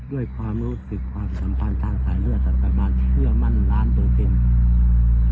ด้วยความรู้สึกความสัมพันธ์ทางสายเลือดรัฐบาลเชื่อมั่นล้านโดยเต็ม